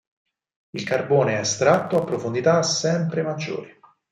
Il carbone è estratto a profondità sempre maggiori.